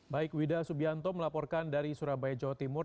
baik wida subianto melaporkan dari surabaya jawa timur